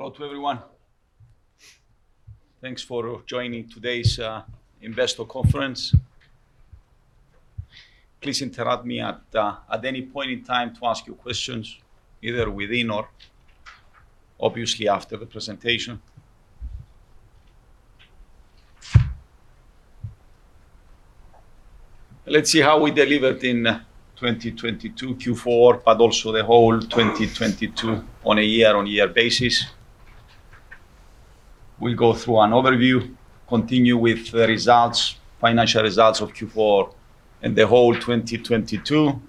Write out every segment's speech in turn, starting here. Hello to everyone. Thanks for joining today's investor conference. Please interrupt me at any point in time to ask your questions, either within or obviously after the presentation. Let's see how we delivered in 2022 Q4, but also the whole 2022 on a year-on-year basis. We'll go through an overview, continue with the results, financial results of Q4 and the whole 2022.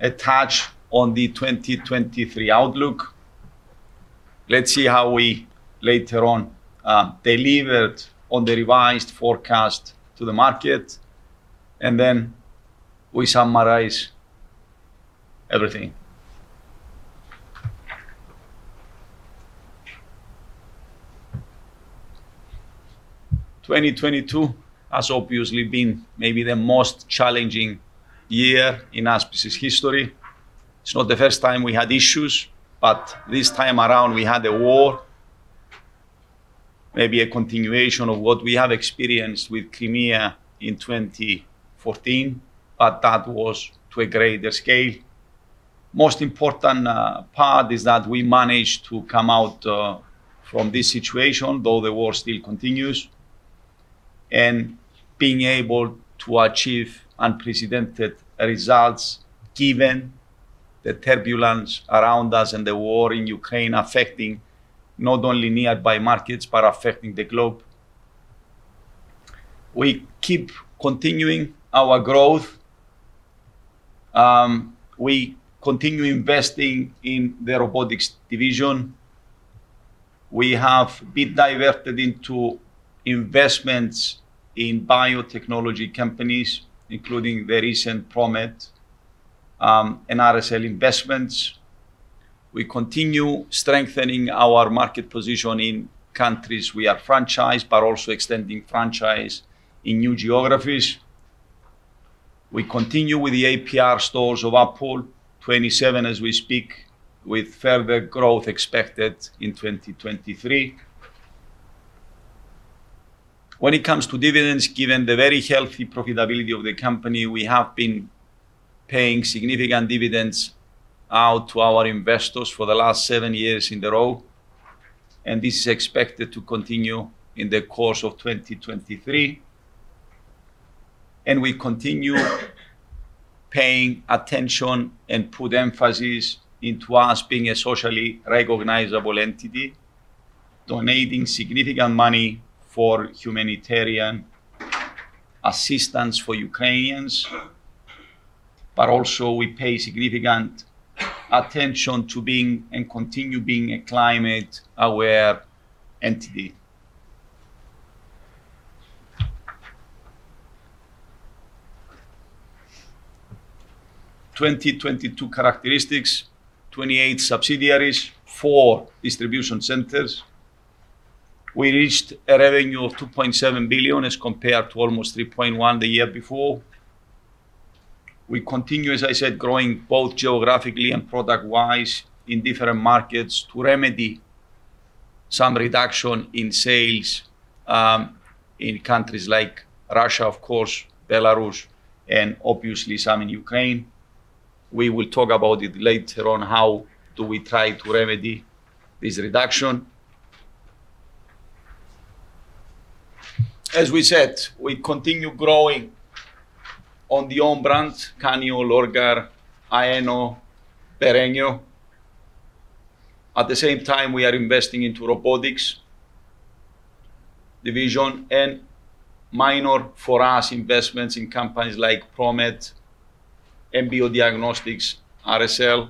A touch on the 2023 outlook. Let's see how we later on delivered on the revised forecast to the market, and then we summarize everything. 2022 has obviously been maybe the most challenging year in ASBISc's history. It's not the first time we had issues, but this time around we had a war, maybe a continuation of what we have experienced with Crimea in 2014, but that was to a greater scale. Most important part is that we managed to come out from this situation, though the war still continues, and being able to achieve unprecedented results given the turbulence around us and the war in Ukraine affecting not only nearby markets, but affecting the globe. We keep continuing our growth. We continue investing in the robotics division. We have been diversified into investments in biotechnology companies, including the recent Promed Bioscience and RSL Investments. We continue strengthening our market position in countries we are franchised, but also extending franchise in new geographies. We continue with the APR stores of our pool, 27 as we speak, with further growth expected in 2023. When it comes to dividends, given the very healthy profitability of the company, we have been paying significant dividends out to our investors for the last seven years in a row, and this is expected to continue in the course of 2023. We continue paying attention and put emphasis into us being a socially recognizable entity, donating significant money for humanitarian assistance for Ukrainians. Also we pay significant attention to being and continue being a climate-aware entity. 2022 characteristics, 28 subsidiaries, four distribution centers. We reached a revenue of $2.7 billion as compared to almost $3.1 billion the year before. We continue, as I said, growing both geographically and product-wise in different markets to remedy some reduction in sales, in countries like Russia, of course, Belarus, and obviously some in Ukraine. We will talk about it later on how do we try to remedy this reduction. As we said, we continue growing on the own brands, Canyon, Lorgar, AENO, Perenio. At the same time, we are investing into robotics division and minor, for us, investments in companies like Promed Bioscience, EMBIO Diagnostics, RSL.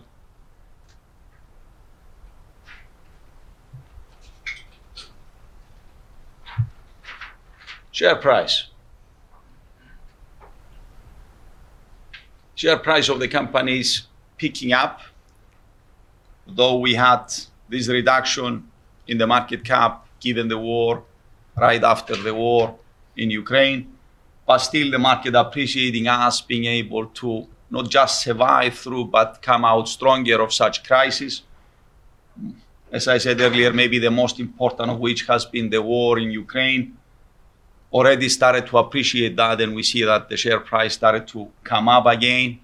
Share price. Share price of the company is picking up, though we had this reduction in the market cap given the war, right after the war in Ukraine. Still the market appreciating us being able to not just survive through, but come out stronger of such crisis. As I said earlier, maybe the most important of which has been the war in Ukraine. Already started to appreciate that, and we see that the share price started to come up again.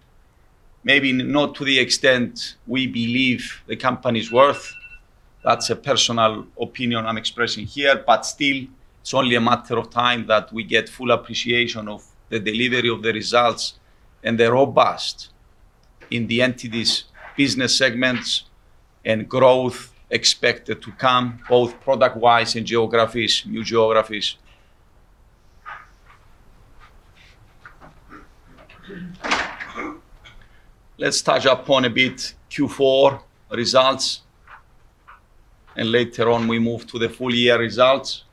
Maybe not to the extent we believe the company's worth. That's a personal opinion I'm expressing here. Still, it's only a matter of time that we get full appreciation of the delivery of the results and the robustness in the entities' business segments and growth expected to come, both product-wise and geographies, new geographies. Let's touch upon a bit Q4 results, and later on we move to the full-year results.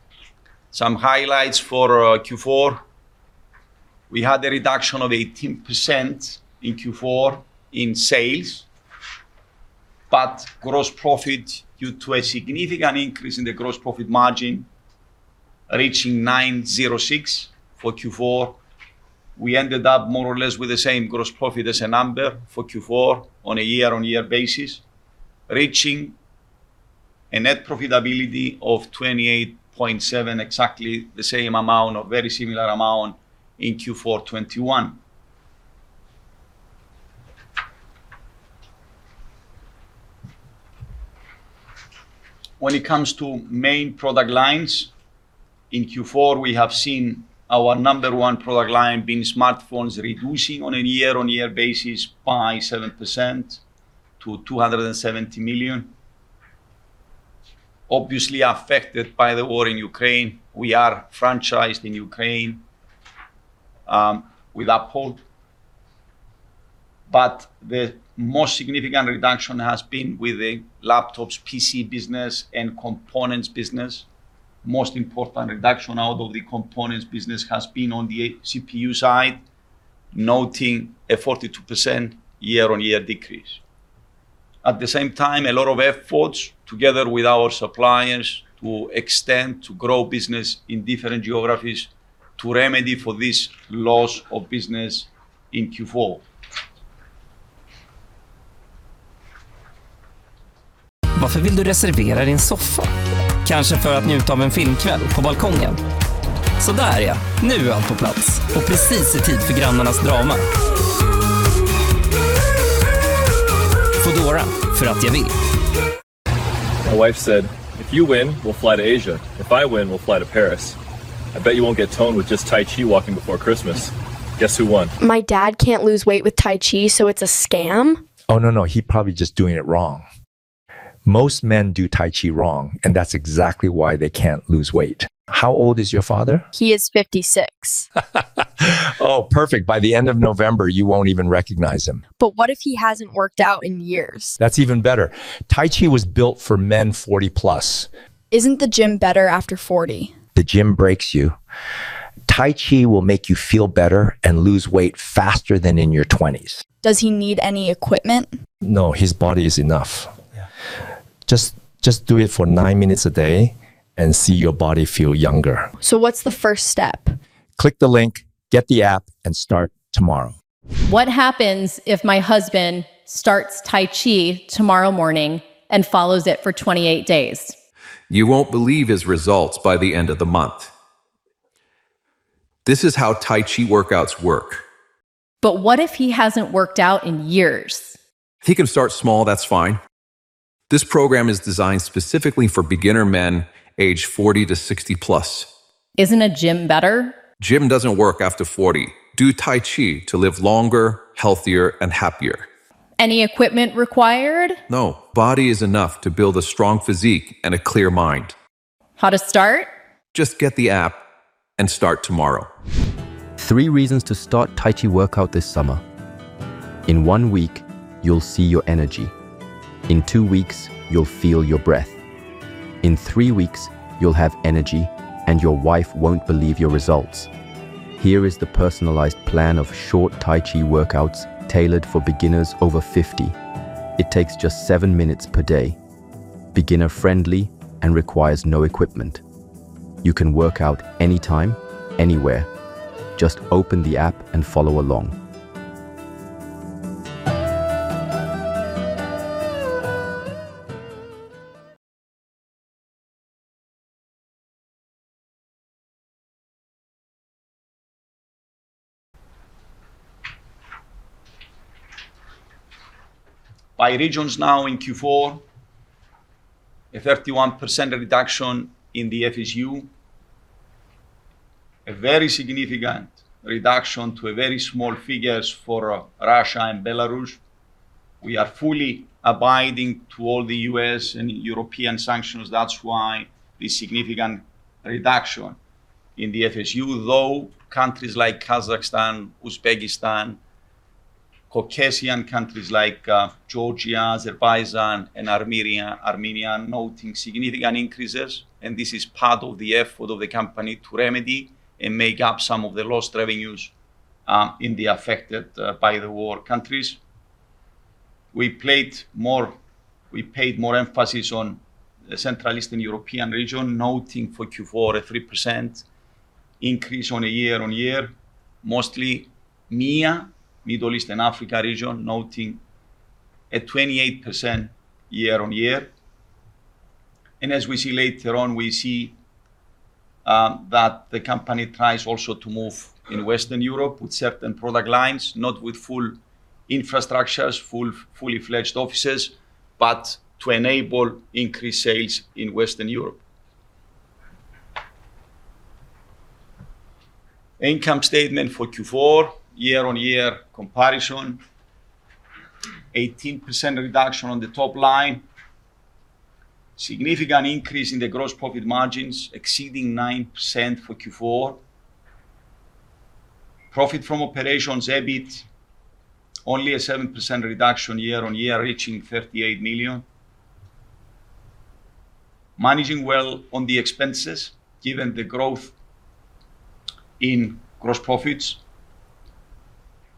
Some highlights for Q4. We had a reduction of 18% in Q4 in sales, but gross profit, due to a significant increase in the gross profit margin, reaching 9.06% for Q4. We ended up more or less with the same gross profit as a number for Q4 on a year-on-year basis, reaching a net profitability of $28.7 million, exactly the same amount or very similar amount in Q4 2021. When it comes to main product lines, in Q4, we have seen our number one product line being smartphones reducing on a year-on-year basis by 7% to $270 million. Obviously affected by the war in Ukraine. We are franchised in Ukraine, with Uphold. The most significant reduction has been with the laptops, PC business, and components business. Most important reduction out of the components business has been on the CPU side, noting a 42% year-on-year decrease. At the same time, a lot of efforts together with our suppliers to extend, to grow business in different geographies to remedy for this loss of business in Q4. By regions now in Q4, a 31% reduction in the FSU. A very significant reduction to very small figures for Russia and Belarus. We are fully abiding to all the U.S. and European sanctions. That's why the significant reduction in the FSU, though countries like Kazakhstan, Uzbekistan, Caucasian countries like, Georgia, Azerbaijan and Armenia noting significant increases. This is part of the effort of the company to remedy and make up some of the lost revenues, in the affected by the war countries. We paid more emphasis on the Central Eastern European region, noting for Q4 a 3% increase on a year-on-year. Mostly MEA, Middle East and Africa region, noting a 28% year-on-year. As we see later on, that the company tries also to move in Western Europe with certain product lines, not with full infrastructures, fully fledged offices, but to enable increased sales in Western Europe. Income statement for Q4 year-on-year comparison. 18% reduction on the top line. Significant increase in the gross profit margins exceeding 9% for Q4. Profit from operations, EBIT only a 7% reduction year-on-year, reaching $38 million. Managing well on the expenses given the growth in gross profits.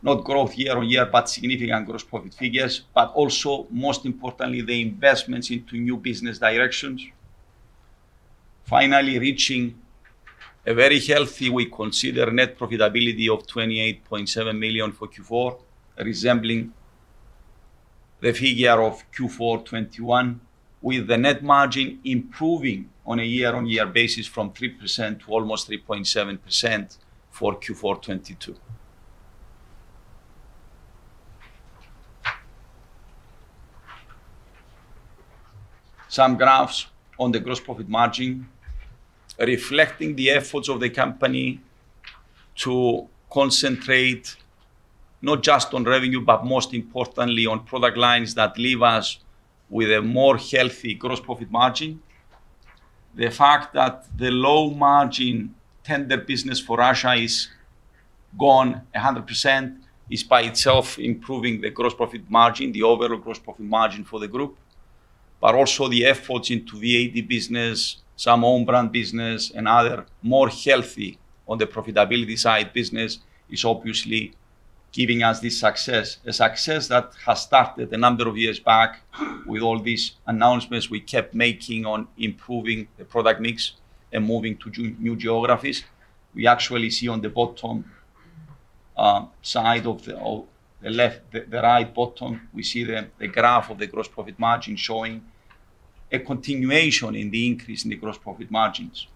Not growth year on year, but significant gross profit figures, but also, most importantly, the investments into new business directions. Finally reaching a very healthy, we consider, net profitability of $28.7 million for Q4, resembling the figure of Q4 2021, with the net margin improving on a year-on-year basis from 3% to almost 3.7% for Q4 2022. Some graphs on the gross profit margin reflecting the efforts of the company to concentrate not just on revenue, but most importantly, on product lines that leave us with a more healthy gross profit margin. The fact that the low-margin tender business for Russia is gone 100% is by itself improving the gross profit margin, the overall gross profit margin for the group. Also the efforts into VAD business, some own brand business and other more healthy on the profitability side business is obviously giving us this success, a success that has started a number of years back with all these announcements we kept making on improving the product mix and moving to new geographies. We actually see on the bottom side of the right bottom. We see the graph of the gross profit margin showing a continuation in the increase in the gross profit margins.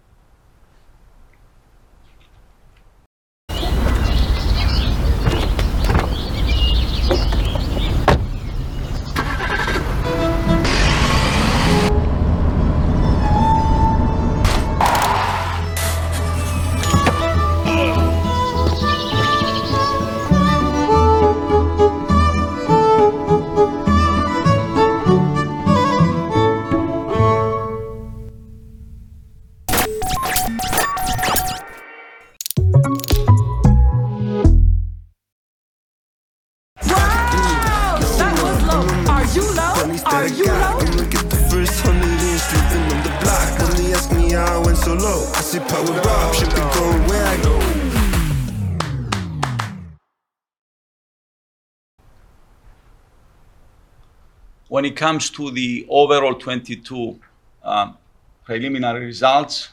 When it comes to the overall 2022 preliminary results,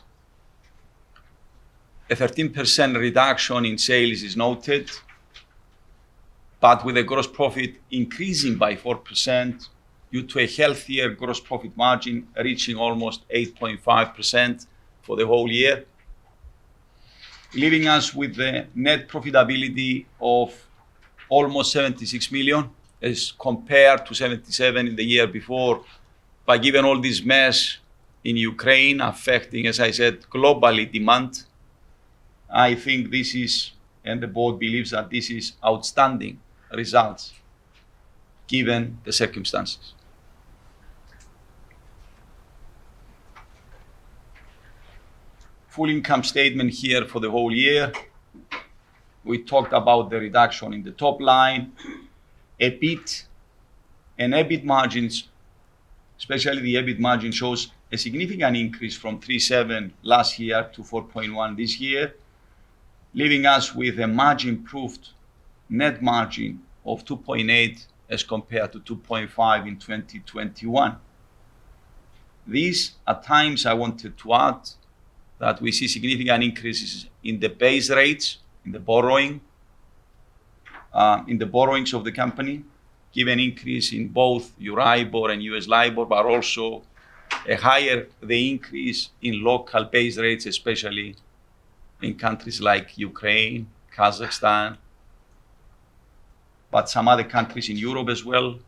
a 13% reduction in sales is noted, but with a gross profit increasing by 4% due to a healthier gross profit margin reaching almost 8.5% for the whole year, leaving us with a net profitability of almost $76 million as compared to $77 million in the year before. Given all this mess in Ukraine affecting, as I said, global demand, I think this is, and the board believes that this is outstanding results given the circumstances. Full income statement here for the whole year. We talked about the reduction in the top line. EBIT and EBIT margins, especially the EBIT margin, shows a significant increase from 3.7% last year to 4.1% this year, leaving us with a much improved net margin of 2.8% as compared to 2.5% in 2021. These are times I wanted to add that we see significant increases in the base rates, in the borrowings of the company, given increase in both EURIBOR and US LIBOR, but also a higher increase in local base rates, especially in countries like Ukraine, Kazakhstan, but some other countries in Europe as well,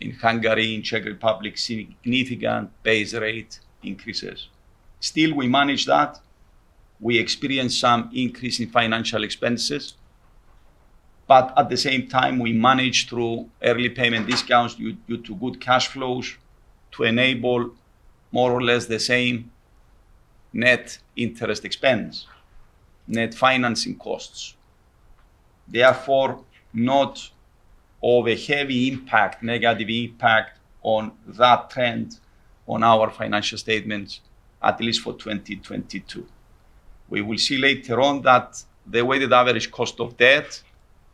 in Hungary, in Czech Republic, significant base rate increases. Still, we manage that. We experience some increase in financial expenses, but at the same time, we manage through early payment discounts due to good cash flows to enable more or less the same net interest expense, net financing costs. Therefore, not of a heavy impact, negative impact on that trend on our financial statements, at least for 2022. We will see later on that the weighted average cost of debt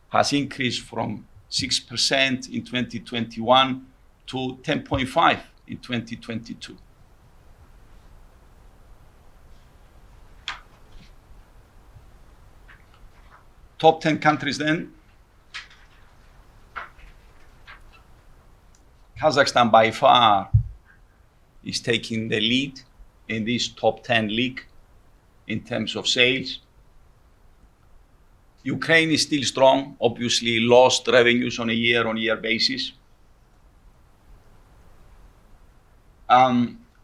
has increased from 6% in 2021 to 10.5% in 2022. Top ten countries then. Kazakhstan, by far, is taking the lead in this top ten league in terms of sales. Ukraine is still strong, obviously lost revenues on a year-on-year basis.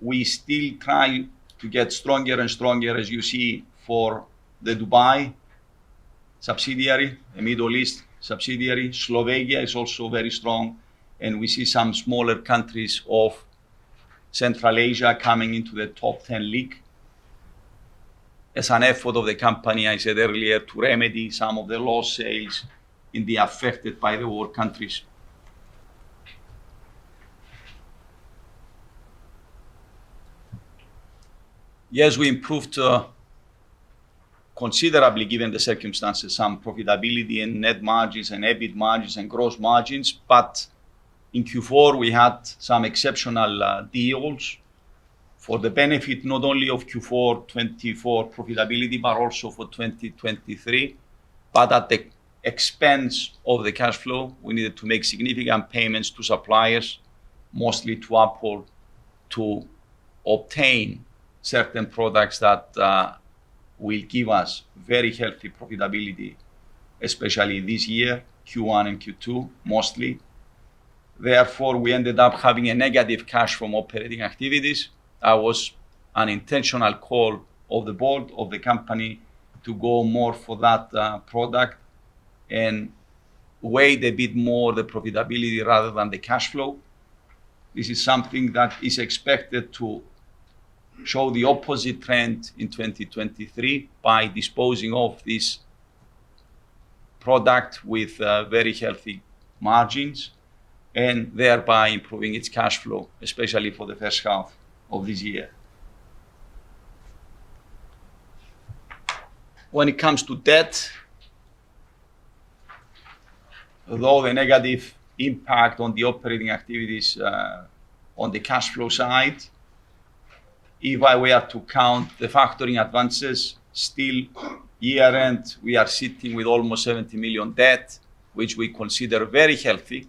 We still try to get stronger and stronger, as you see for the Dubai subsidiary, the Middle East subsidiary. Slovenia is also very strong, and we see some smaller countries of Central Asia coming into the top ten league. As an effort of the company, I said earlier, to remedy some of the lost sales in the affected-by-the-war countries. Yes, we improved considerably given the circumstances, some profitability and net margins and EBIT margins and gross margins. In Q4, we had some exceptional deals for the benefit not only of Q4 2024 profitability, but also for 2023. At the expense of the cash flow, we needed to make significant payments to suppliers, mostly to Apple, to obtain certain products that will give us very healthy profitability, especially this year, Q1 and Q2, mostly. Therefore, we ended up having a negative cash from operating activities. That was an intentional call of the board of the company to go more for that product and weigh a bit more the profitability rather than the cash flow. This is something that is expected to show the opposite trend in 2023 by disposing of this product with very healthy margins and thereby improving its cash flow, especially for the first half of this year. When it comes to debt, though the negative impact on the operating activities on the cash flow side, if I were to count the factoring advances, still year-end, we are sitting with almost $70 million debt, which we consider very healthy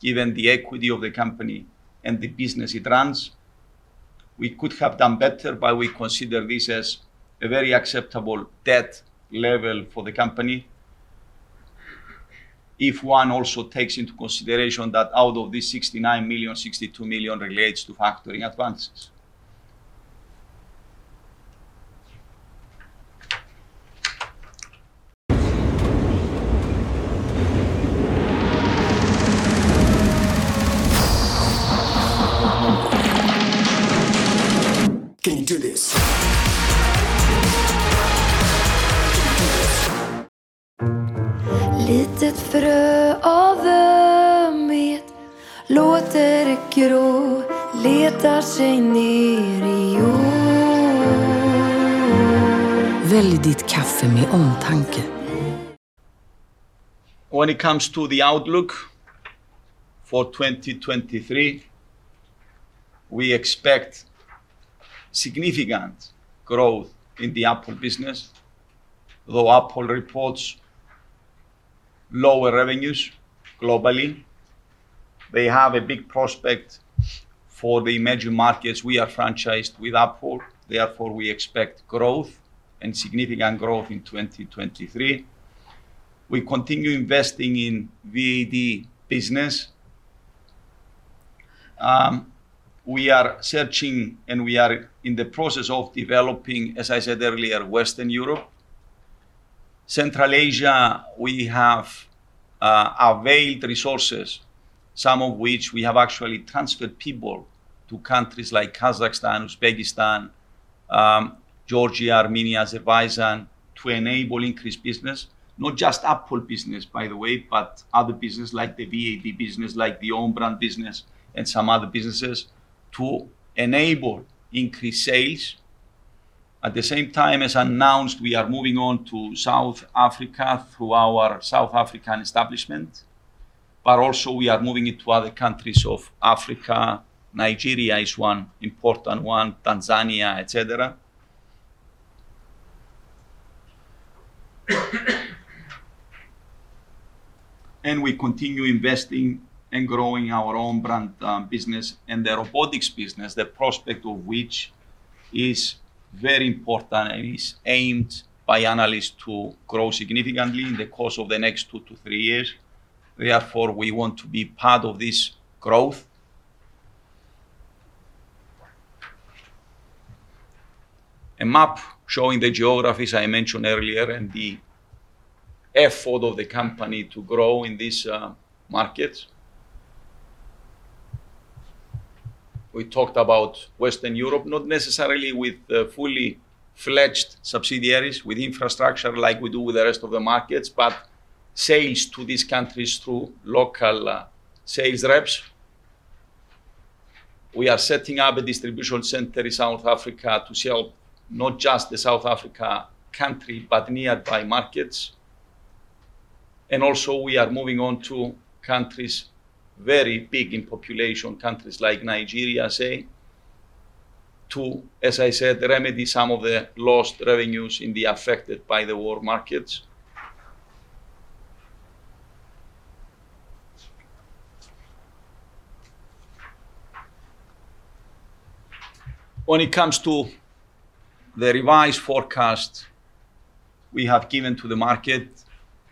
given the equity of the company and the business it runs. We could have done better, but we consider this as a very acceptable debt level for the company. If one also takes into consideration that out of the $69 million, $62 million relates to factoring advances. When it comes to the outlook for 2023, we expect significant growth in the Apple business. Though Apple reports lower revenues globally, they have big prospects for the emerging markets we are franchised with Apple. Therefore, we expect growth and significant growth in 2023. We continue investing in VAD business. We are searching, and we are in the process of developing, as I said earlier, Western Europe. Central Asia, we have allocated resources, some of which we have actually transferred people to countries like Kazakhstan, Uzbekistan, Georgia, Armenia, Azerbaijan, to enable increased business. Not just Apple business, by the way, but other business like the VAD business, like the own brand business and some other businesses to enable increased sales. At the same time, as announced, we are moving on to South Africa through our South African establishment, but also we are moving into other countries of Africa. Nigeria is one important one, Tanzania, et cetera. We continue investing and growing our own brand, business and the robotics business, the prospect of which is very important and is aimed by analysts to grow significantly in the course of the next two to three years. Therefore, we want to be part of this growth. A map showing the geographies I mentioned earlier and the effort of the company to grow in these markets. We talked about Western Europe, not necessarily with fully-fledged subsidiaries with infrastructure like we do with the rest of the markets, but sales to these countries through local sales reps. We are setting up a distribution center in South Africa to sell not just the South Africa country, but nearby markets. Also, we are moving on to countries very big in population, countries like Nigeria, say, to, as I said, remedy some of the lost revenues in the affected-by-the-war markets. When it comes to the revised forecast we have given to the market,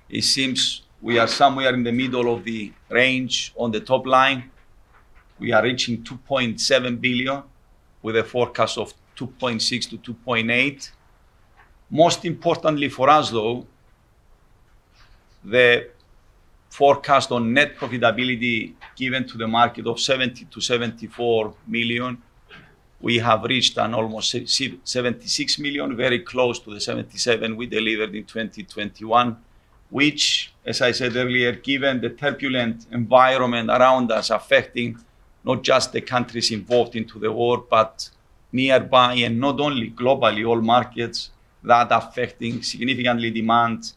it seems we are somewhere in the middle of the range on the top line. We are reaching $2.7 billion with a forecast of $2.6 billion-$2.8 billion. Most importantly for us, though, the forecast on net profitability given to the market of $70 million-$74 million, we have reached an almost $76 million, very close to the $77 million we delivered in 2021. Which, as I said earlier, given the turbulent environment around us affecting not just the countries involved in the war, but nearby and not only globally, all markets that affect significantly demand,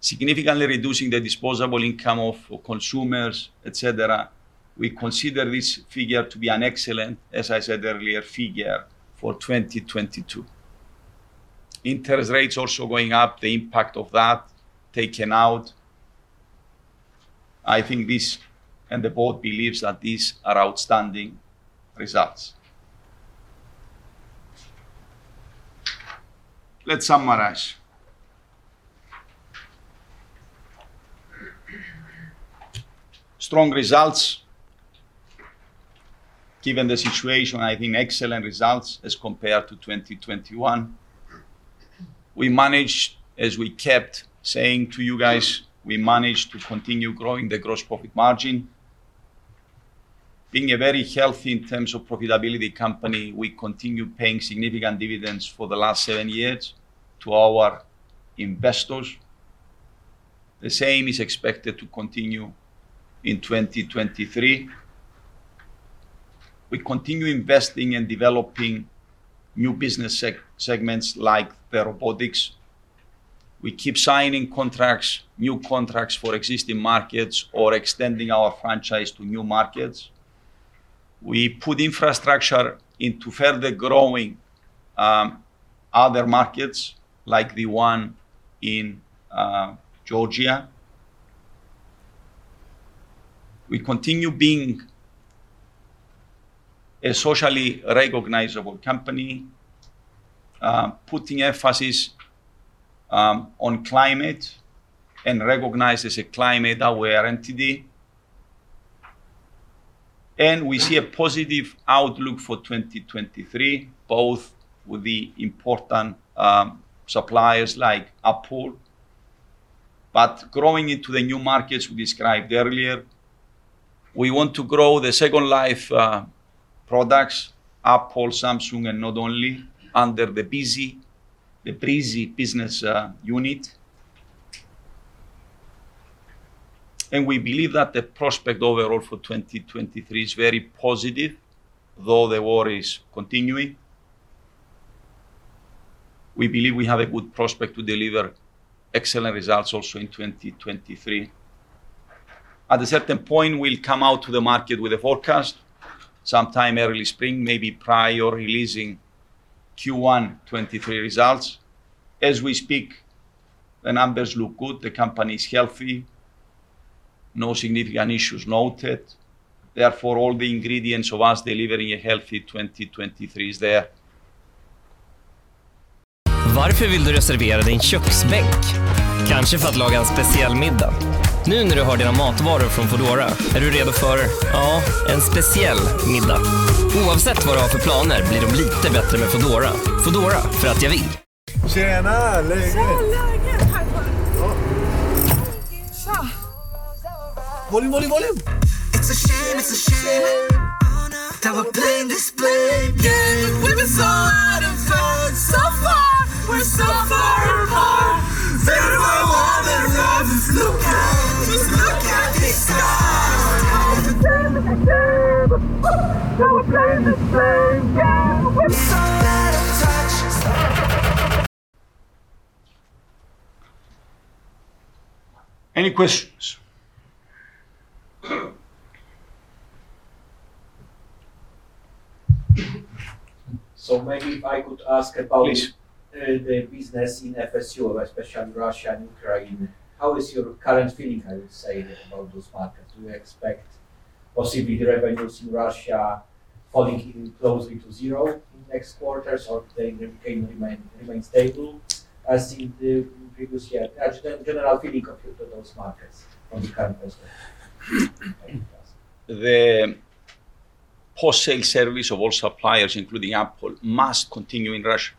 significantly reducing the disposable income of consumers, et cetera. We consider this figure to be an excellent, as I said earlier, figure for 2022. Interest rates also going up, the impact of that taken out. I think this, and the board believes that these are outstanding results. Let's summarize. Strong results. Given the situation, I think excellent results as compared to 2021. We managed, as we kept saying to you guys, we managed to continue growing the gross profit margin. Being a very healthy in terms of profitability company, we continue paying significant dividends for the last seven years to our investors. The same is expected to continue in 2023. We continue investing in developing new business segments like the robotics. We keep signing contracts, new contracts for existing markets or extending our franchise to new markets. We put infrastructure into further growing, other markets like the one in Georgia. We continue being a socially recognizable company, putting emphasis on climate and recognized as a climate-aware entity. We see a positive outlook for 2023, both with the important suppliers like Apple, but growing into the new markets we described earlier. We want to grow the second-life products, Apple, Samsung, and not only under the Breezy business unit. We believe that the prospect overall for 2023 is very positive, though the war is continuing. We believe we have a good prospect to deliver excellent results also in 2023. At a certain point, we'll come out to the market with a forecast, sometime early spring, maybe prior releasing Q1 2023 results. As we speak, the numbers look good. The company is healthy. No significant issues noted. Therefore, all the ingredients of us delivering a healthy 2023 is there. Any questions? Maybe if I could ask about Please The business in FSU, especially Russia and Ukraine. How is your current feeling, I would say, about those markets? Do you expect possibly the revenues in Russia falling closely to zero in next quarters, or they remain stable as in the previous year? As the general feeling of those markets from the current perspective. The post-sale service of all suppliers, including Apple, must continue in Russia.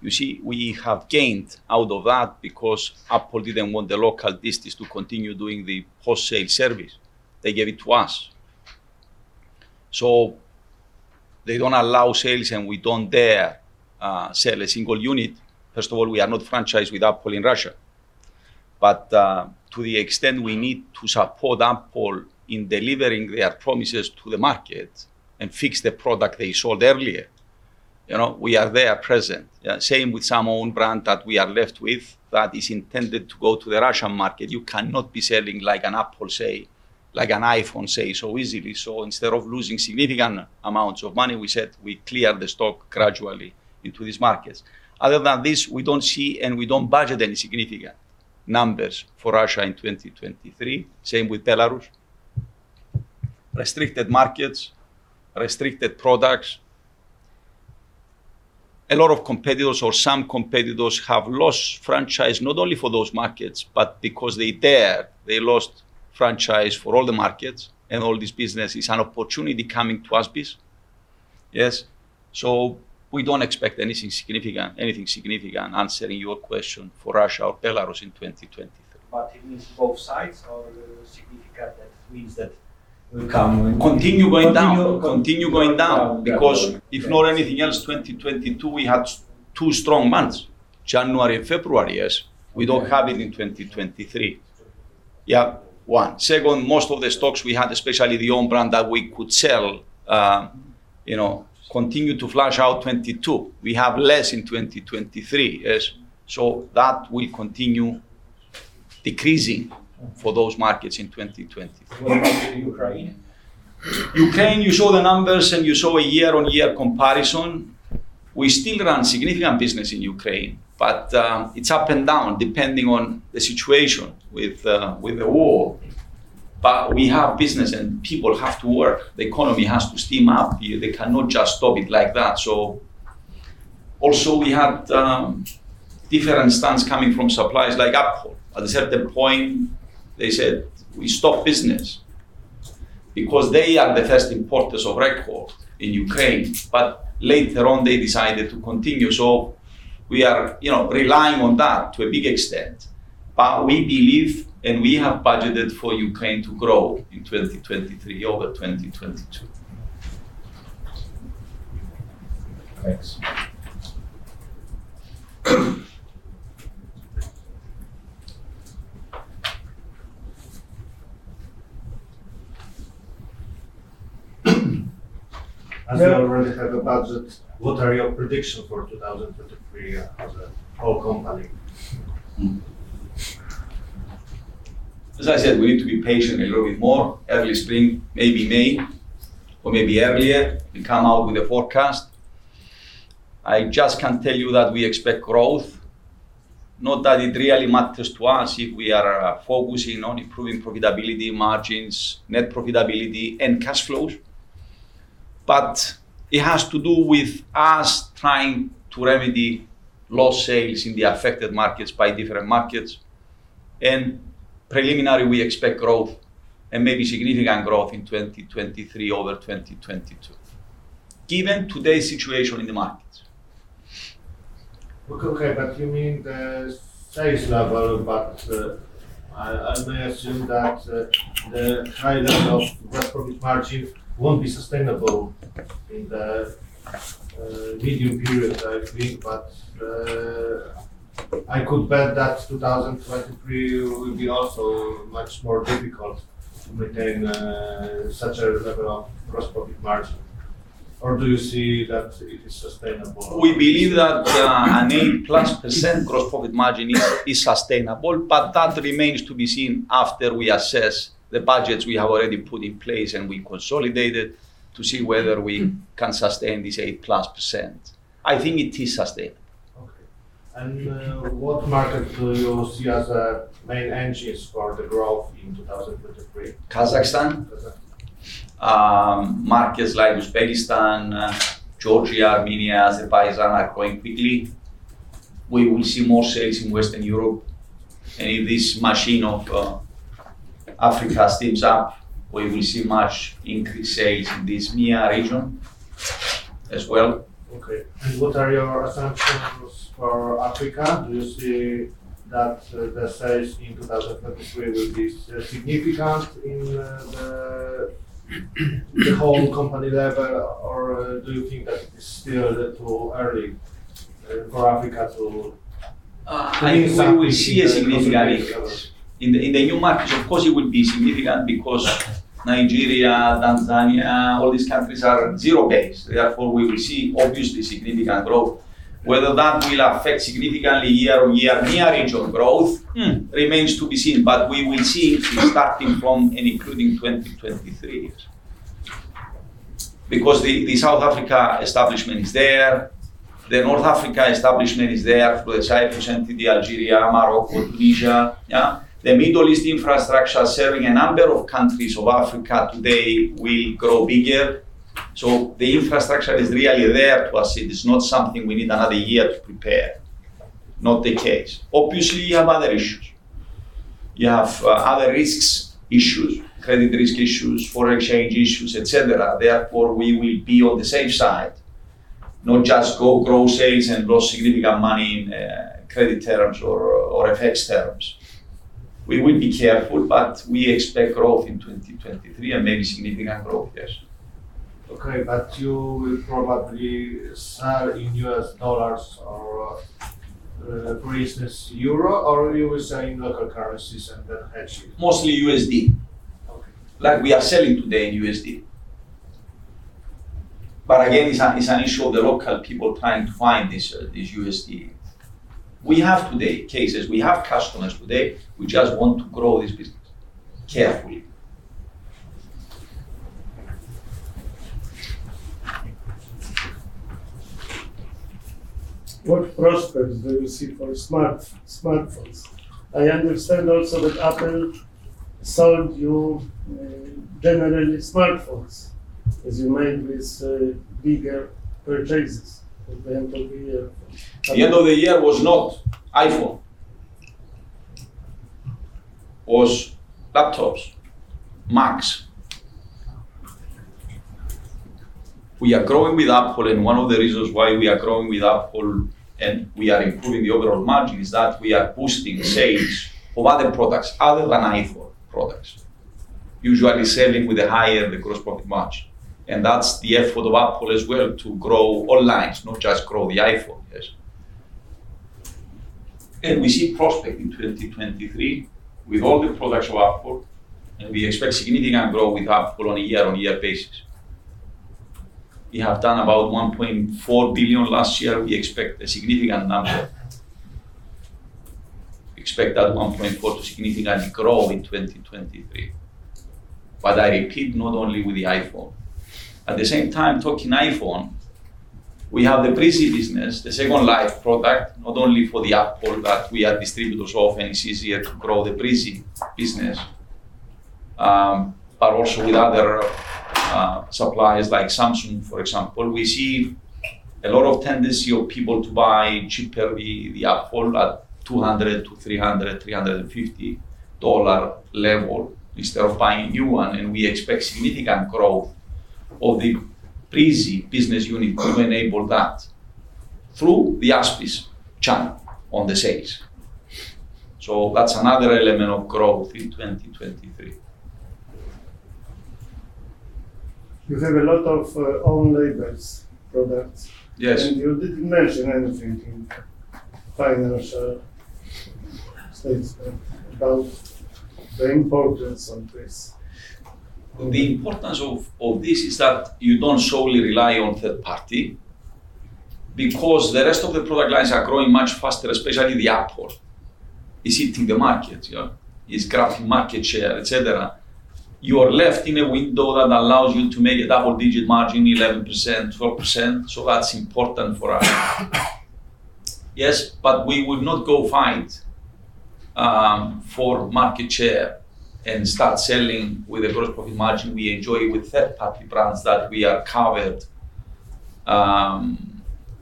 You see, we have gained out of that because Apple didn't want the local disties to continue doing the post-sale service. They gave it to us. They don't allow sales, and we don't dare sell a single unit. First of all, we are not franchised with Apple in Russia. To the extent we need to support Apple in delivering their promises to the market and fix the product they sold earlier, you know, we are there present. Yeah, same with some own brand that we are left with that is intended to go to the Russian market. You cannot be selling like an Apple, say, like an iPhone, say, so easily. Instead of losing significant amounts of money, we said we clear the stock gradually into these markets. Other than this, we don't see and we don't budget any significant numbers for Russia in 2023. Same with Belarus. Restricted markets, restricted products. A lot of competitors or some competitors have lost franchise not only for those markets, but because they dared, they lost franchise for all the markets and all this business is an opportunity coming to ASBISc. Yes. We don't expect anything significant, answering your question, for Russia or Belarus in 2023. It means both sides are significant. That means that Will come and Continue going down. Continue Continue going down. Down, down. Because if not anything else, 2022, we had two strong months, January and February, yes. We don't have it in 2023. Yeah, one. Second, most of the stocks we had, especially the own brand that we could sell, you know, continued to flush out 2022. We have less in 2023. Yes. That will continue decreasing for those markets in 2023. What about Ukraine? Ukraine, you saw the numbers, and you saw a year-on-year comparison. We still run significant business in Ukraine, but it's up and down depending on the situation with the war. We have business, and people have to work. The economy has to steam up. They cannot just stop it like that. Also we had different stance coming from suppliers like Apple. At a certain point, they said, "We stop business," because they are the first importers of record in Ukraine. Later on, they decided to continue. We are, you know, relying on that to a big extent. We believe, and we have budgeted for Ukraine to grow in 2023 over 2022. Thanks. As you already have a budget, what are your prediction for 2023 as a whole company? As I said, we need to be patient a little bit more. Early spring, maybe May, or maybe earlier, we come out with a forecast. I just can tell you that we expect growth. Not that it really matters to us if we are focusing on improving profitability margins, net profitability, and cash flow. But it has to do with us trying to remedy lost sales in the affected markets by different markets. Preliminary, we expect growth and maybe significant growth in 2023 over 2022 given today's situation in the markets. Okay. You mean the sales level, but, I may assume that the high level of gross profit margin won't be sustainable in the medium period, I think. I could bet that 2023 will be also much more difficult to maintain such a level of gross profit margin. Do you see that it is sustainable? We believe that an 8%+ gross profit margin is sustainable, but that remains to be seen after we assess the budgets we have already put in place, and we consolidated to see whether we can sustain this 8%+. I think it is sustainable. What markets do you see as main engines for the growth in 2023? Kazakhstan. Kazakhstan. Markets like Uzbekistan, Georgia, Armenia, Azerbaijan are growing quickly. We will see more sales in Western Europe. If this machine of Africa steams up, we will see much increased sales in this MEA region as well. Okay. What are your assumptions for Africa? Do you see that the sales in 2023 will be significant in the whole company level, or do you think that it is still a little early for Africa to- I think we will see a significant. Contribute to the company sales. In the new markets, of course, it will be significant because Nigeria, Tanzania, all these countries are zero-based. Therefore, we will see obviously significant growth. Whether that will affect significantly year-on-year MEA regional growth remains to be seen. We will see it starting from and including 2023. Because the South Africa establishment is there, the North Africa establishment is there with Cyprus, Egypt, Algeria, Morocco, Tunisia. The Middle East infrastructure serving a number of countries of Africa today will grow bigger. The infrastructure is really there to us. It is not something we need another year to prepare. Not the case. Obviously, you have other issues. You have other risks issues, credit risk issues, foreign exchange issues, et cetera. Therefore, we will be on the safe side, not just go grow sales and grow significant money in, credit terms or FX terms. We will be careful, but we expect growth in 2023 and maybe significant growth. Yes. Okay. You will probably sell in US dollars or business euros, or you will sell in local currencies and then hedge it? Mostly USD. Okay. Like we are selling today in USD. Again, it's an issue of the local people trying to find this USD. We have today cases, we have customers today, we just want to grow this business carefully. What prospects do you see for smartphones? I understand also that Apple sold you, generally smartphones, as you made these bigger purchases at the end of the year. The end of the year was not iPhone. Was laptops, Macs. We are growing with Apple, and one of the reasons why we are growing with Apple and we are improving the overall margin is that we are boosting sales of other products other than iPhone products, usually selling with a higher gross profit margin. That's the effort of Apple as well, to grow all lines, not just grow the iPhone. Yes. We see prospect in 2023 with all the products of Apple, and we expect significant growth with Apple on a year-on-year basis. We have done about $1.4 billion last year. We expect a significant number. Expect that $1.4 billion to significantly grow in 2023. I repeat, not only with the iPhone. At the same time, talking iPhone, we have the Breezy business, the second life product, not only for the Apple, but we are distributors of, and it's easier to grow the Breezy business. But also with other suppliers like Samsung, for example. We see a lot of tendency of people to buy cheaper the Apple at $200-$350 level instead of buying new one, and we expect significant growth of the Breezy business unit to enable that through the ASBISc channel on the sales. That's another element of growth in 2023. You have a lot of own label products. Yes. You didn't mention anything in financial statement about the importance of this. The importance of this is that you don't solely rely on third-party because the rest of the product lines are growing much faster, especially Apple. It's hitting the market, you know. It's grabbing market share, et cetera. You are left in a window that allows you to make a double-digit margin, 11%, 12%, so that's important for us. Yes, but we will not go fight for market share and start selling with a gross profit margin we enjoy with third-party brands that we are covered,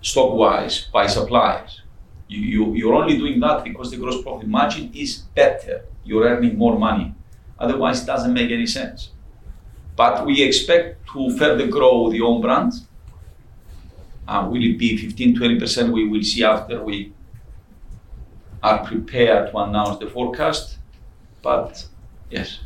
stock-wise by suppliers. You're only doing that because the gross profit margin is better. You're earning more money. Otherwise, it doesn't make any sense. We expect to further grow the own brands. Will it be 15%, 20%? We will see after we are prepared to announce the forecast. Yes.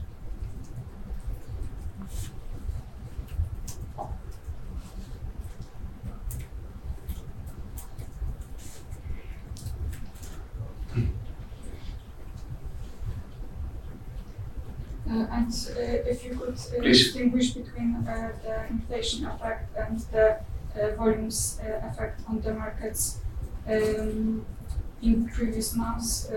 If you could. Please Distinguish between the inflation effect and the volumes effect on the markets in previous months.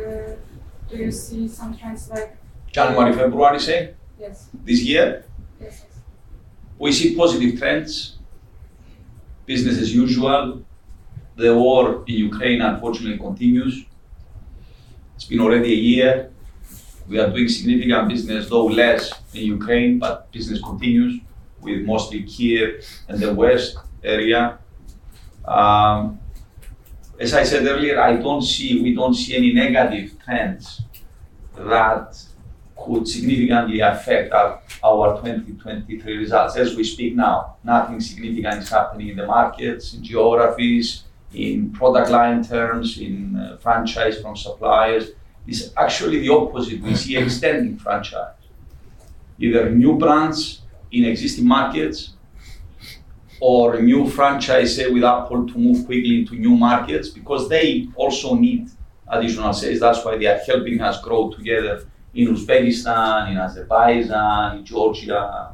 Do you see some trends like? January, February, you say? Yes. This year? Yes, yes. We see positive trends. Business as usual. The war in Ukraine unfortunately continues. It's been already a year. We are doing significant business, though less in Ukraine, but business continues with mostly Kyiv and the west area. As I said earlier, we don't see any negative trends that could significantly affect our 2023 results. As we speak now, nothing significant is happening in the markets, in geographies, in product line terms, in franchise from suppliers. It's actually the opposite. We see extending franchise, either new brands in existing markets or a new franchisee with Apple to move quickly into new markets because they also need additional sales. That's why they are helping us grow together in Uzbekistan, in Azerbaijan, in Georgia,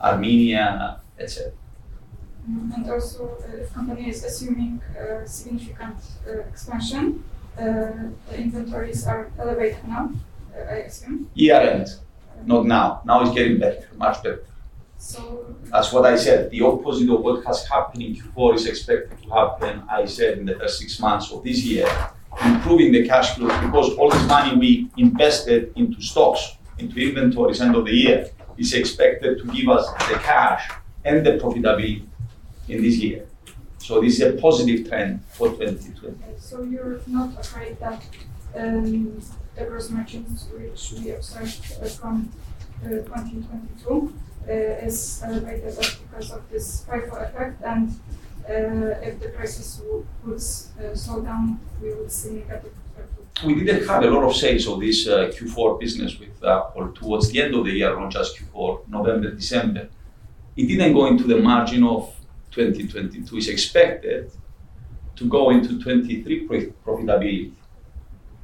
Armenia, et cetera. Company is assuming significant expansion. The inventories are elevated now, I assume. Year end, not now. Now it's getting better, much better. So- That's what I said. The opposite of what has happened in Q4 is expected to happen, I said, in the first six months of this year. Improving the cash flow because all this money we invested into stocks, into inventories end of the year, is expected to give us the cash and the profitability in this year. This is a positive trend for 2023. You're not afraid that the gross margins which should be upside from 2022 is elevated just because of this FIFO effect, and if the prices would slow down, we would see negative effect. We didn't have a lot of sales of this Q4 business with Apple towards the end of the year, not just Q4, November, December. It didn't go into the margin of 2022. It's expected to go into 2023 profitability.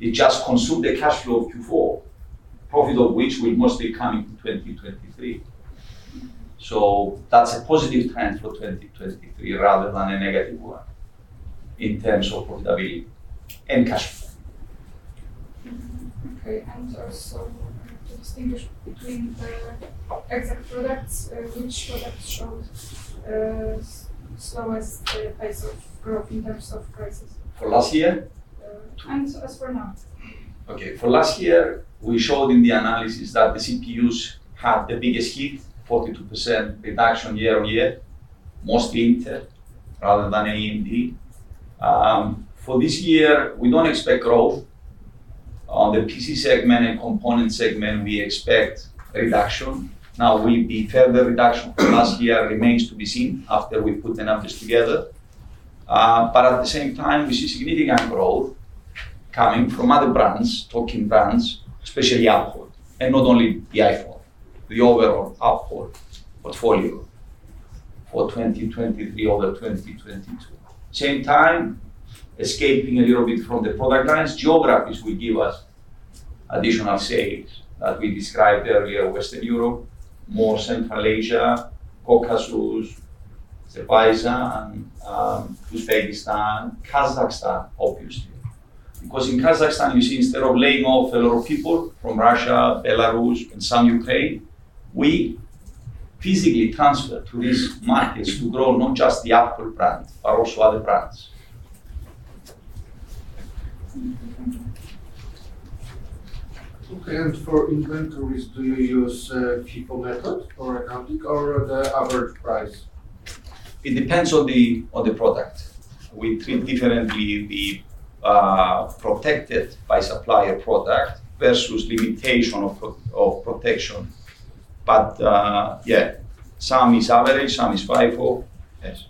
It just consumed the cash flow of Q4, profit of which will mostly come in 2023. That's a positive trend for 2023 rather than a negative one in terms of profitability and cash flow. Mm-hmm. Okay. Also to distinguish between the exact products, which product showed slowest pace of growth in terms of prices? For last year? As for now. Okay. For last year, we showed in the analysis that the CPUs had the biggest hit, 42% reduction year-on-year, mostly Intel rather than AMD. For this year, we don't expect growth. On the PC segment and component segment, we expect a reduction. Now, will it be further reduction from last year remains to be seen after we put the numbers together. But at the same time, we see significant growth coming from other brands, talking brands, especially Apple, and not only the iPhone, the overall Apple portfolio for 2023 over 2022. Same time, escaping a little bit from the product lines, geographies will give us additional sales that we described earlier, Western Europe, more Central Asia, Caucasus, Azerbaijan, Uzbekistan, Kazakhstan, obviously. Because in Kazakhstan, you see instead of laying off a lot of people from Russia, Belarus, and some Ukraine, we physically transfer to these markets to grow not just the Apple brand, but also other brands. Okay. For inventories, do you use FIFO method for accounting or the average price? It depends on the product. We treat differently the protected by supplier product versus limitation of protection. Yeah, some is average, some is FIFO. Yes.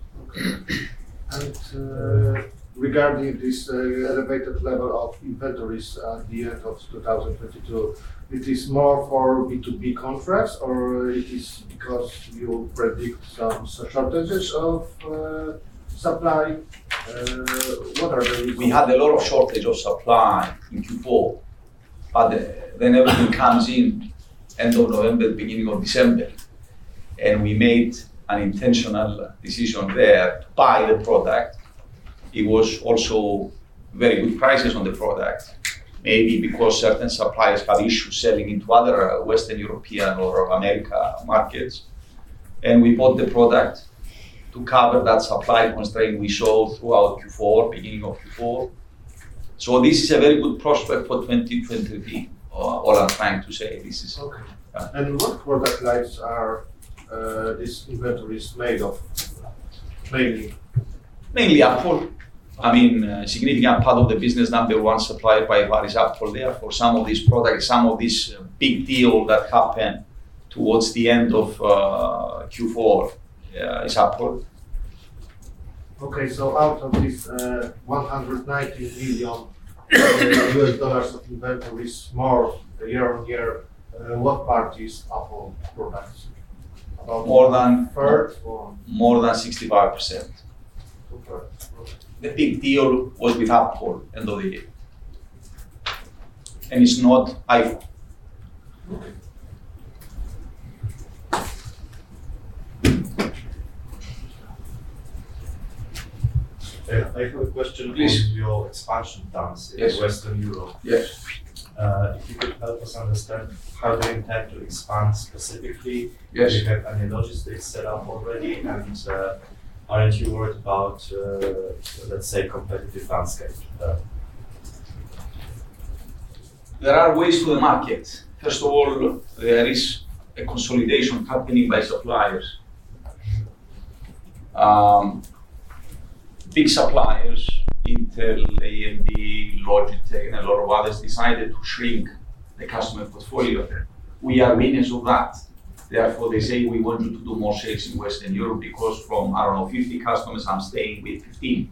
Okay. Regarding this elevated level of inventories at the end of 2022, it is more for B2B contracts, or it is because you predict some shortages of supply? What are the reasons? We had a lot of shortage of supply in Q4, but then everything comes in end of November, beginning of December, and we made an intentional decision there to buy the product. It was also very good prices on the product, maybe because certain suppliers had issues selling into other Western European or America markets, and we bought the product to cover that supply constraint we saw throughout Q4, beginning of Q4. This is a very good prospect for 2023, what I'm trying to say. Okay. Yeah. What product lines are these inventories made of mainly? Mainly Apple. I mean, a significant part of the business, number one supplier by far is Apple. Therefore, some of these products, some of this big deal that happened towards the end of Q4 is Apple. Out of this, $190 billion of inventory is more year-on-year, what part is Apple products? About More than- A third or? More than 65%. Okay. The big deal was with Apple, end of the day. It's not iPhone. Okay. I have a question. Please. on your expansion plans Yes. In Western Europe. Yes. If you could help us understand how do you intend to expand specifically? Yes. Do you have any logistics set up already? Aren't you worried about, let's say, competitive landscape? There are ways to the market. First of all, there is a consolidation happening by suppliers. Big suppliers, Intel, AMD, Logitech, and a lot of others decided to shrink the customer portfolio. We are winners of that. Therefore, they say we want you to do more sales in Western Europe because from, I don't know, 50 customers, I'm staying with 15.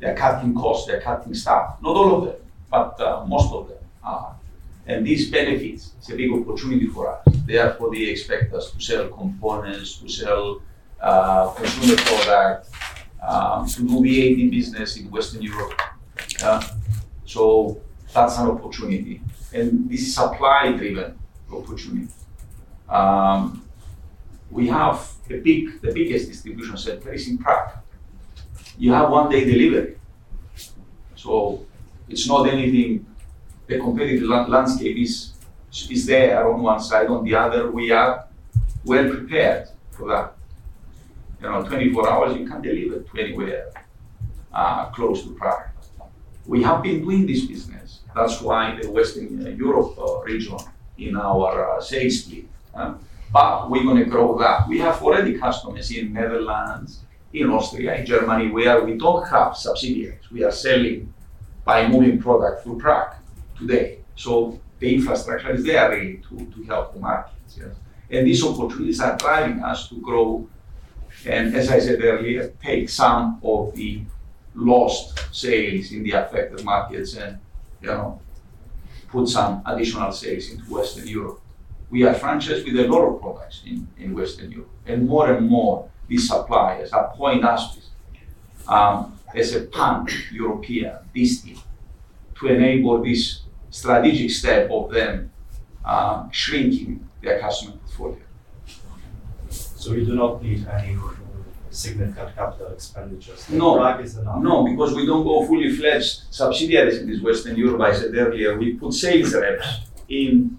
They're cutting costs. They're cutting staff. Not all of them, but most of them are. This benefits, it's a big opportunity for us. Therefore, they expect us to sell components, to sell consumer products, to do the VAD business in Western Europe. That's an opportunity. This is supply-driven opportunity. We have the biggest distribution center is in Prague. You have one-day delivery. It's not anything. The competitive landscape is there on one side. On the other, we are well prepared for that. You know, 24 hours, you can deliver anywhere close to Prague. We have been doing this business. That's why the Western Europe region in our sales split. We're gonna grow that. We have already customers in the Netherlands, in Austria, in Germany, where we don't have subsidiaries. We are selling by moving product through Prague today. The infrastructure is there really to help the markets. Yes. These opportunities are driving us to grow, and as I said earlier, take some of the lost sales in the affected markets and, you know, put some additional sales into Western Europe. We are franchised with a lot of products in Western Europe. More and more, these suppliers are appointing us as a pan-European entity to enable this strategic step of them shrinking their customer portfolio. You do not need any more significant capital expenditures. No. Prague is enough. No, because we don't go full-fledged subsidiaries in this Western Europe. I said earlier, we put sales reps in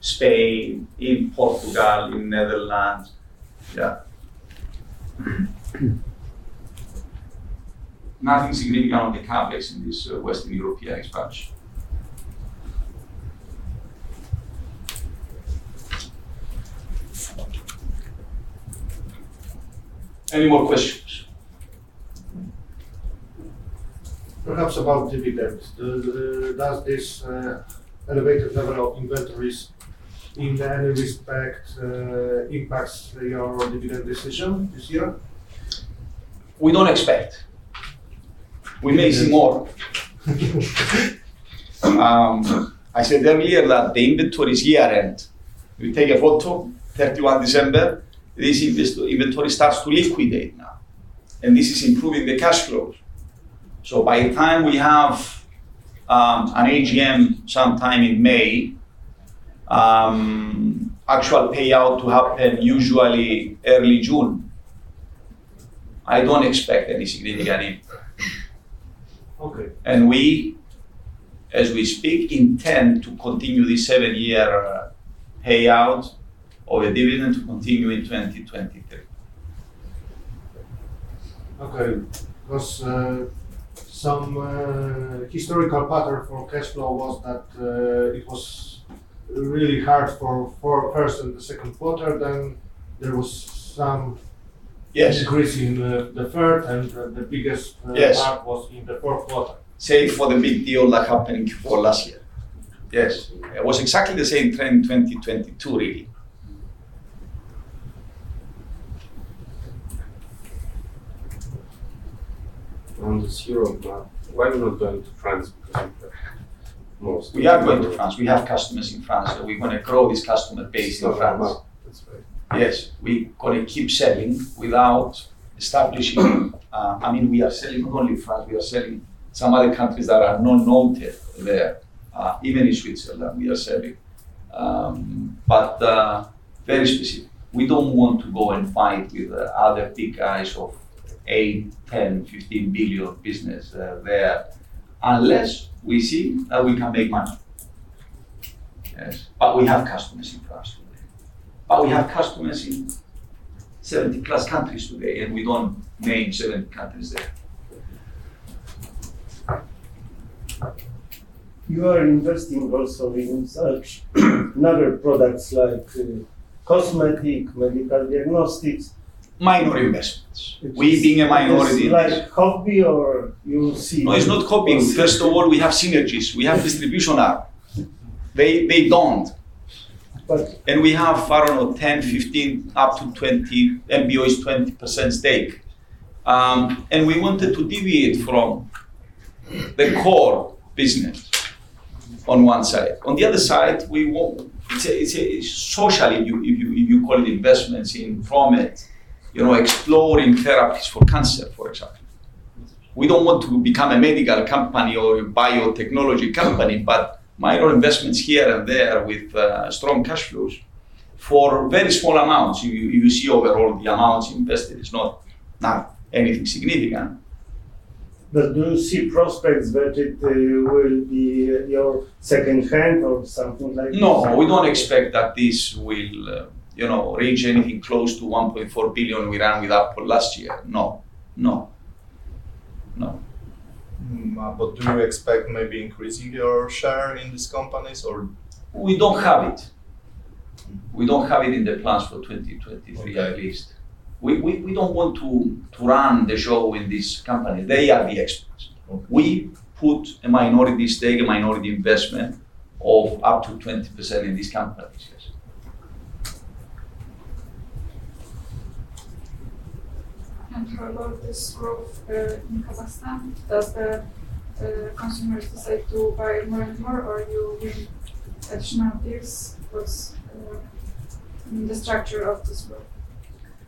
Spain, in Portugal, in Netherlands. Yeah. Nothing significant on the CapEx in this Western European expansion. Any more questions? Perhaps about dividends. Does this elevated level of inventories in any respect impacts your dividend decision this year? We don't expect. We may see more. I said earlier that the inventory year-end, we take a photo 31st December. This inventory starts to liquidate now, and this is improving the cash flow. By the time we have an AGM sometime in May, actual payout to happen usually early June. I don't expect any significant impact. Okay. We, as we speak, intend to continue this seven-year payout of a dividend to continue in 2023. Okay. Because some historical pattern for cash flow was that it was really hard for the second quarter, then there was some- Yes decrease in the third, and the biggest Yes Part was in the fourth quarter. Save for the big deal that happened for last year. Yes. It was exactly the same trend in 2022, really. In this year. Why not going to France? We are going to France. We have customers in France, and we wanna grow this customer base in France. Still not enough. That's right. Yes. We gotta keep selling. We are selling not only in France, we are selling some other countries that are not noted there. Even in Switzerland, we are selling. Very specific. We don't want to go and fight with the other big guys of $8 billion, $10 billion, $15 billion business there unless we see that we can make money. Yes. We have customers in France today. We have customers in 70+ countries today, and we don't name certain countries there. You are investing also in such other products like cosmetics, medical diagnostics. Minor investments. We being a minority investor. Is this like copy or you see? No, it's not copying. Okay. First of all, we have synergies. We have distribution hub. They don't. But- We have, I don't know, 10%, 15%, up to 20% MBO 20% stake. We wanted to deviate from the core business on one side. On the other side, we want. It's a socially you call it investments in pharma, you know, exploring therapies for cancer, for example. We don't want to become a medical company or a biotechnology company, but minor investments here and there with strong cash flows for very small amounts. You see overall the amounts invested is not anything significant. Do you see prospects that it will be your second hand or something like this? No, we don't expect that this will, you know, reach anything close to $1.4 billion we ran with Apple last year. No. No. No. Do you expect maybe increasing your share in these companies or? We don't have it. We don't have it in the plans for 2023 at least. Okay. We don't want to run the show in this company. They are the experts. Okay. We put a minority stake, a minority investment of up to 20% in these companies. Yes. For a lot of this growth in Kazakhstan, does the consumers decide to buy more and more, or you win additional deals? What's the structure of this growth?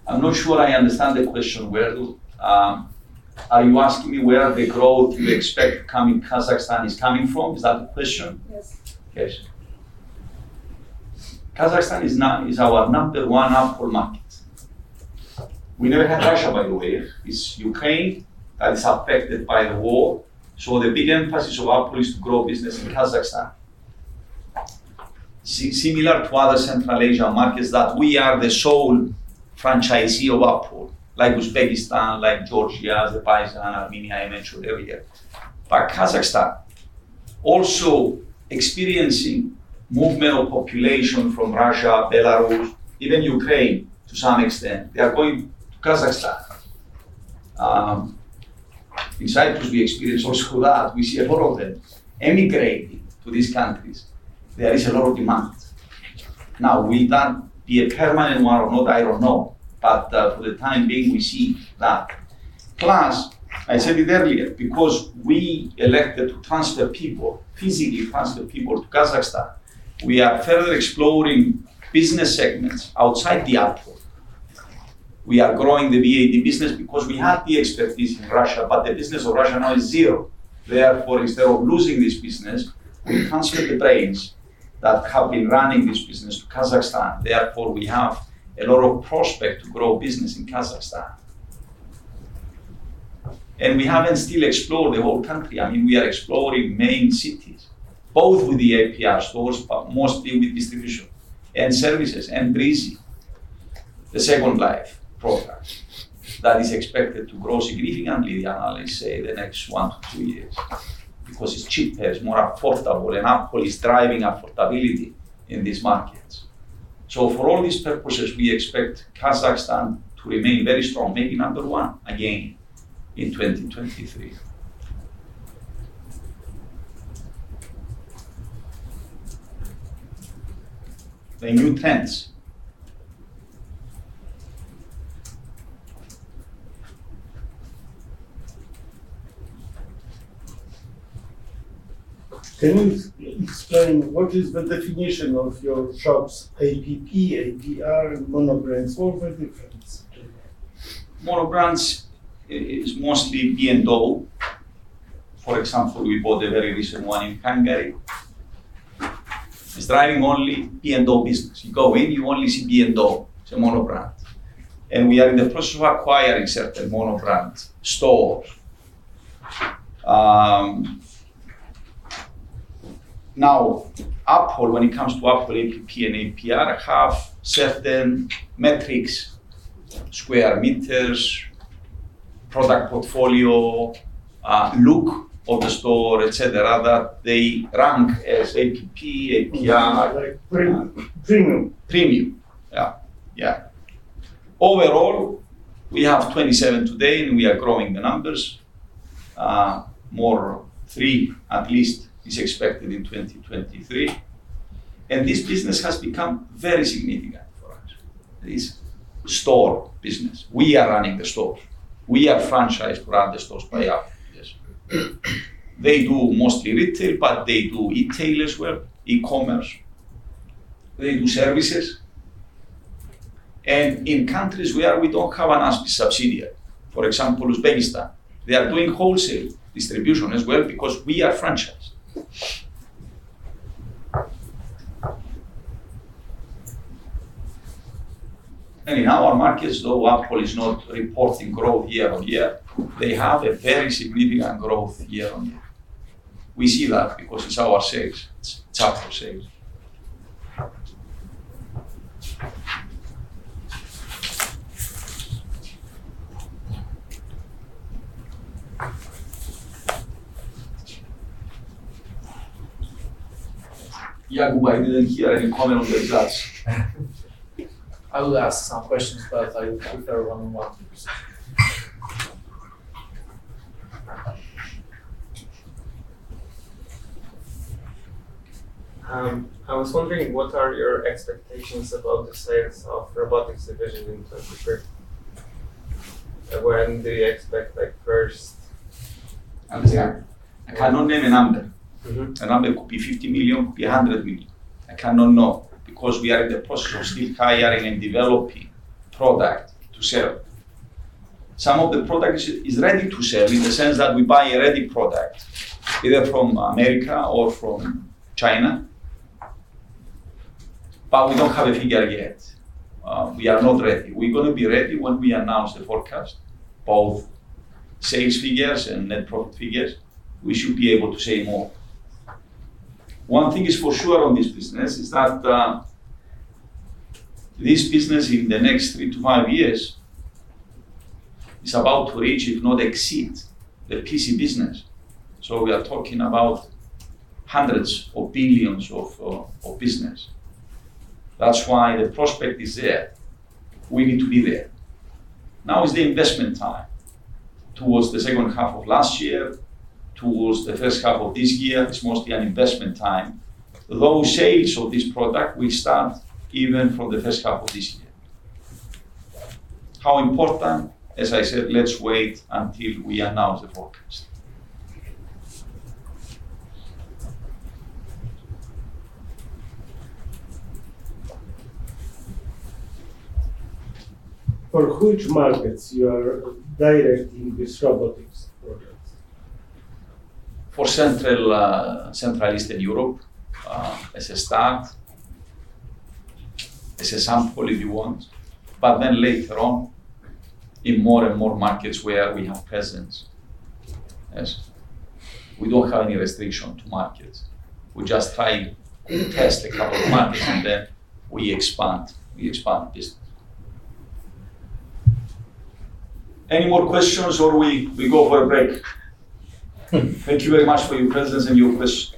I'm not sure I understand the question. Are you asking me where the growth you expect coming Kazakhstan is coming from? Is that the question? Yes. Okay. Kazakhstan is now our number one Apple market. We never had Russia, by the way. It's Ukraine that is affected by the war. The big emphasis of Apple is to grow business in Kazakhstan. Similar to other Central Asian markets, that we are the sole franchisee of Apple, like Uzbekistan, like Georgia, Azerbaijan, Armenia, I mentioned earlier. Kazakhstan also experiencing movement of population from Russia, Belarus, even Ukraine to some extent. They are going to Kazakhstan. In cycles we experience, we see a lot of them emigrating to these countries. There is a lot of demand. Now, will that be a permanent one or not? I don't know. For the time being, we see that. Plus, I said it earlier, because we elected to transfer people, physically transfer people to Kazakhstan, we are further exploring business segments outside the Apple. We are growing the VAD business because we had the expertise in Russia, but the business of Russia now is zero. Therefore, instead of losing this business, we transfer the brains that have been running this business to Kazakhstan. Therefore, we have a lot of prospects to grow business in Kazakhstan. We haven't still explored the whole country. I mean, we are exploring main cities, both with the APR stores, but mostly with distribution and services and Breezy, the second life products, that is expected to grow significantly, the analysts say, the next one to two years. Because it's cheaper, it's more affordable, and Apple is driving affordability in these markets. For all these purposes, we expect Kazakhstan to remain very strong, maybe number one again in 2023. The new tenants. Can you explain what is the definition of your shops, APP, APR, and mono brands? What are the differences? Mono brands is mostly AENO. For example, we bought a very recent one in Hungary. It's driving only AENO business. You go in, you only see AENO. It's a mono brand. We are in the process of acquiring certain mono brand stores. Now, Apple, when it comes to Apple, APP and APR have certain metrics, square meters, product portfolio, look of the store, et cetera, that they rank as APP, APR. Like premium. Premium. Yeah. Yeah. Overall, we have 27 today, and we are growing the numbers. More, three at least, is expected in 2023. This business has become very significant for us, this store business. We are running the stores. We are franchised brand the stores by Apple. Yes. They do mostly retail, but they do e-tail as well, e-commerce. They do services. In countries where we don't have an ASBISc subsidiary, for example, Uzbekistan, they are doing wholesale distribution as well because we are franchised. In our markets, though Apple is not reporting growth year-on-year, they have a very significant growth year-on-year. We see that because it's our sales. It's Apple sales. Jacob, I didn't hear any comment on the results. I will ask some questions, but I prefer one on one. I was wondering what are your expectations about the sales of robotics division in 2023? When do you expect, like, first- Understand. I cannot name a number. Mm-hmm. A number could be $50 million, could be $100 million. I cannot know because we are in the process of still hiring and developing product to sell. Some of the products is ready to sell in the sense that we buy a ready product either from America or from China, but we don't have a figure yet. We are not ready. We're gonna be ready when we announce the forecast, both sales figures and net profit figures. We should be able to say more. One thing is for sure on this business is that this business in the next three to five years is about to reach, if not exceed, the PC business. We are talking about hundreds of billions of business. That's why the prospect is there. We need to be there. Now is the investment time. Toward the second half of last year, toward the first half of this year, it's mostly an investment time. Low sales of this product will start even from the first half of this year. How important? As I said, let's wait until we announce the forecast. For which markets you are directing these robotics products? For Central and Eastern Europe, as a start, as a sample if you want. Later on, in more and more markets where we have presence. Yes. We don't have any restriction to markets. We just try to test a couple of markets, and then we expand business. Any more questions or we go for a break? Thank you very much for your presence and your questions.